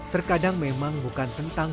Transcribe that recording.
pelan pelan mbak gendeng